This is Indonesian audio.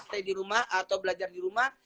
stay di rumah atau belajar di rumah